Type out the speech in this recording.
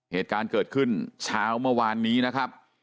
เหตุการณ์เกิดขึ้นเช้าเมื่อวานนี้นะครับ